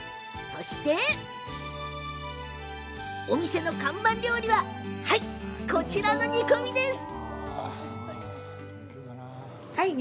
そして、お店の看板料理はこちらの煮込みです。